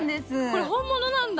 これ本物なんだ。